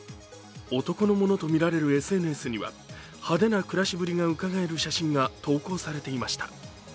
男のものとみられるＳＮＳには派手な暮らしぶりがうかがえる写真が投稿されていました。